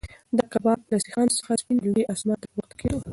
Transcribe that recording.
د کباب له سیخانو څخه سپین لوګی اسمان ته پورته کېده.